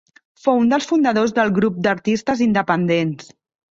Fou un dels fundadors del grup d'artistes independents.